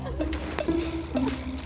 jangan terlalu banyak